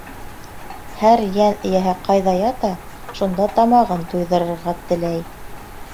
Һәр йән эйәһе ҡайҙа ята, шунда тамағын туйҙырырға теләй.